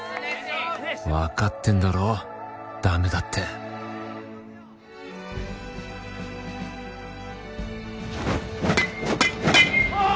分かってんだろダメだってあっ！